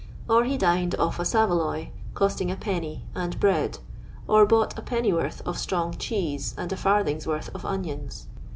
Or he dined off a saveloy, costing Id, and bread ; or bought a pennyworth of strong cheese, and a farthing's worth of onions.